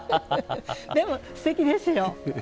でもすてきですよ。